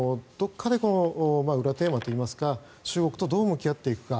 裏テーマといいますか中国とどう向き合っていくか。